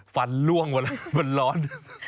ฟันล่วงมาแล้วมันร้อน